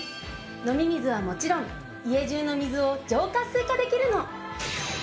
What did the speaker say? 飲み水はもちろん家中の水を浄活水化できるの。